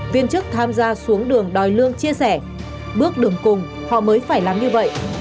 viên chức tham gia xuống đường đòi lương chia sẻ bước đường cùng họ mới phải làm như vậy